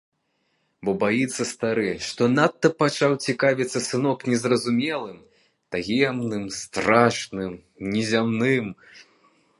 Бо баіцца стары, што надта пачаў цікавіцца сынок незразумелым, таемным, страшным, незямным.